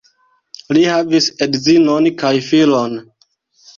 Li havis edzinon kaj filon.